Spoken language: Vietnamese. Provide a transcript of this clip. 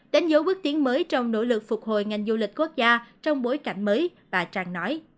đánh dấu bước tiến mới trong nỗ lực phục hồi ngành du lịch quốc gia trong bối cảnh mới bà tràn nói